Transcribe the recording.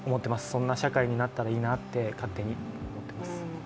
そんな社会になったらいいなって勝手に思ってます。